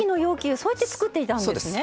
そうやって作っていたんですね。